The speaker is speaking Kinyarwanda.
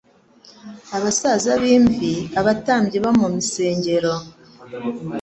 Abasaza b'imvi, abatambyi bo mu msengero